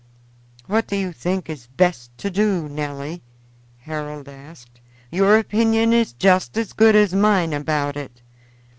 "What do you think is best to do, Nelly?" Harold asked. "Your opinion is just as good as mine about it.